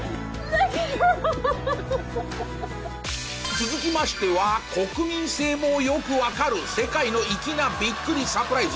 続きましては国民性もよくわかる世界の粋なびっくりサプライズ！